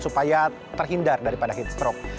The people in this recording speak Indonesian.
supaya terhindar daripada heat stroke